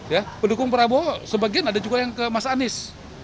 ya pendukung prabowo sebagian ada juga yang ke mas anies